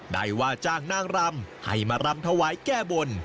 ได้ว่าจ้างนางรำให้มารำถวายแก้บน